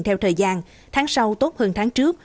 theo thời gian tháng sau tốt hơn tháng trước